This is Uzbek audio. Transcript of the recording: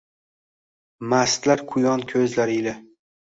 Mastlar quyon ko’zlari ila